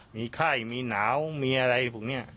มีไข้มีหนาวมีอะไรพวกนี้